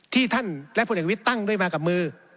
ที่ท่านและพลเอกวิทย์ตั้งด้วยมากับมือ